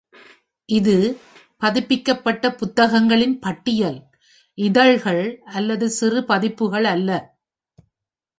இது பதிப்பிக்கப்பட்ட புத்தகங்களின் பட்டியல், இதழ்கள் அல்லது சிறு பதிப்புகள் அல்ல.